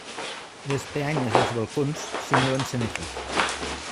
Les peanyes dels balcons simulen sanefes.